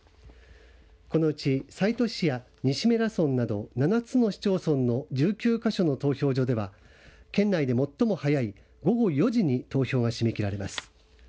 このうち西都市や西米良村など７つの市町村の１９か所の投票所では県内で最も早い午後４時に投票が締め切られます。